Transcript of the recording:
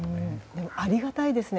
でも、ありがたいですね。